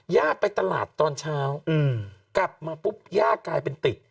ย่าไปตลาดตอนเช้ากลับมาปุ๊บย่ากลายเป็นติด